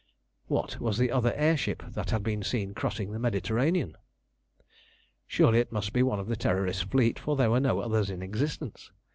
What was the other air ship that had been seen crossing the Mediterranean? Surely it must be one of the Terrorist fleet, for there were no others in existence.